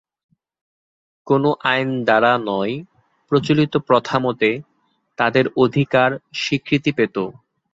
কোনো আইন দ্বারা নয়, প্রচলিত প্রথামতে তাদের অধিকার স্বীকৃতি পেত।